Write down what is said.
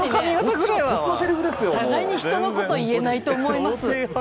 互いに人のこと言えないと思います。